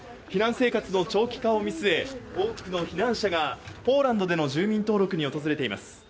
避難生活の長期化を見据え、多くの避難者がポーランドでの住民登録に訪れています。